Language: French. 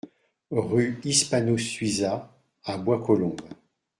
Rue Hispano Suiza à Bois-Colombes